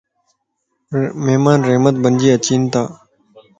مھمان رحمت بنجي اچينتا